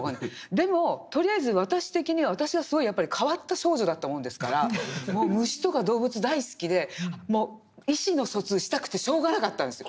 でもとりあえず私的には私はすごいやっぱり変わった少女だったもんですからもう虫とか動物大好きでもう意思の疎通したくてしょうがなかったんですよ。